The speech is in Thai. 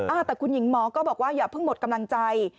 อ่าแต่คุณหญิงหมอก็บอกว่าอย่าเพิ่งหมดกำลังใจ